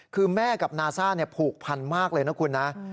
คือแม่กับนาซ่าผูกพันมากเลยนะคุณนะ